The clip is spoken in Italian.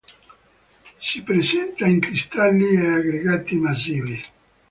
Si presenta in cristalli e aggregati massivi.